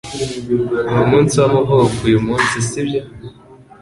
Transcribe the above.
Numunsi wamavuko uyumunsi sibyo